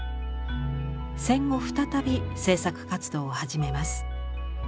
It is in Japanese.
戦後再び制作活動を始めます。